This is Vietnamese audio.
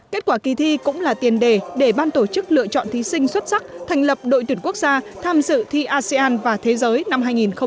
kết quả kỳ thi cũng là tiền đề để ban tổ chức lựa chọn thí sinh xuất sắc thành lập đội tuyển quốc gia tham dự thi asean và thế giới năm hai nghìn hai mươi